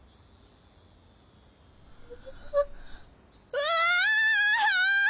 うわ！